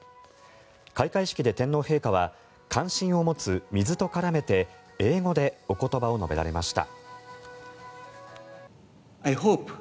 開会式で天皇陛下は関心を持つ水と絡めて英語でお言葉を述べられました。